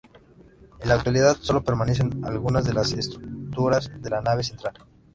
En la actualidad sólo permanecen algunas de las estructuras de la nave central.